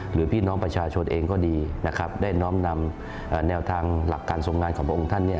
หรือพี่น้องประชาชนเองก็ได้ได้น้อมนำแนวทางหลักการส่งงานของบังคุณท่าน